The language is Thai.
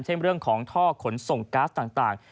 เช่นเรื่องของท่อขนส่งกาสต่าง